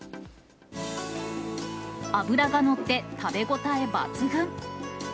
脂が乗って食べ応え抜群。